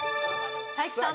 才木さん。